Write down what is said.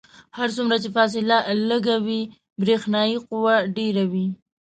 هر څومره چې فاصله لږه وي برېښنايي قوه ډیره وي.